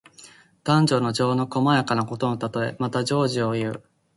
男女の情の細やかなことのたとえ。また、情事をいう。